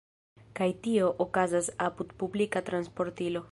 Kaj tio okazas apud publika transportilo.